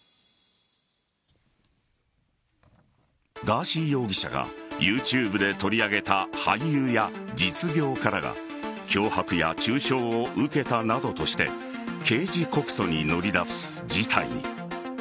ガーシー容疑者がＹｏｕＴｕｂｅで取り上げた俳優や実業家らが脅迫や中傷を受けたなどとして刑事告訴に乗り出す事態に。